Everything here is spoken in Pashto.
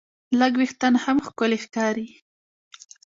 لږ وېښتيان هم ښکلي ښکاري.